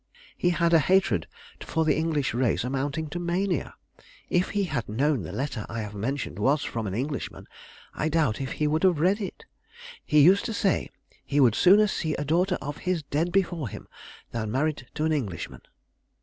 He had a hatred for the English race amounting to mania. If he had known the letter I have mentioned was from an Englishman, I doubt if he would have read it. He used to say he would sooner see a daughter of his dead before him than married to an Englishman."